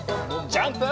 ジャンプ！